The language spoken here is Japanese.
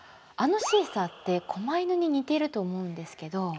あのシーサーって狛犬に似てると思うんですけど。